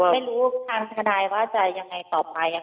ไม่รู้ทางทนายว่าจะยังไงต่อไป